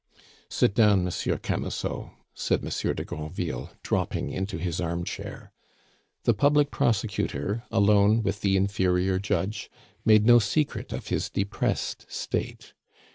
"Sit down, Monsieur Camusot," said Monsieur de Granville, dropping into his armchair. The public prosecutor, alone with the inferior judge, made no secret of his depressed state.